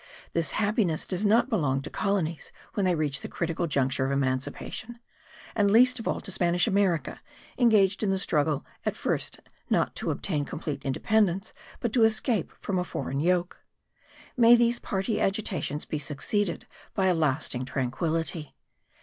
This happiness does not belong to colonies when they reach the critical juncture of emancipation; and least of all to Spanish America, engaged in the struggle at first not to obtain complete independence, but to escape from a foreign yoke. May these party agitations be succeeded by a lasting tranquillity!